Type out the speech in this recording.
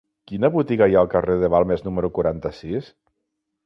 Quina botiga hi ha al carrer de Balmes número quaranta-sis?